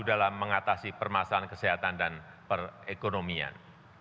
dalam mengatasi permasalahan kesehatan dan perekonomian